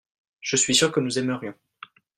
je suis sûr que nous aimerions.